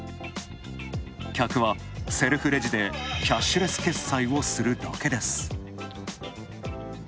客はセルフレジでキャッシュレス決済をするだけです。